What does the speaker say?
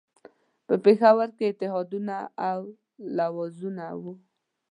په پېښور کې اتحادونه او لوزونه وو.